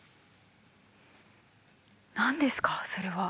何ですかそれは？